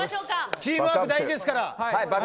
チームワーク大事ですから。